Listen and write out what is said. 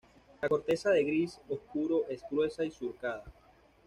La corteza de gris oscuro es gruesa y surcada.